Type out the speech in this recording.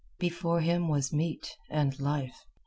Before him was meat and life.